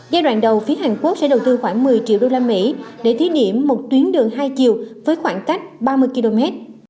giai đoạn đầu phía hàn quốc sẽ đầu tư khoảng một mươi triệu usd để thí điểm một tuyến đường hai chiều với khoảng cách ba mươi km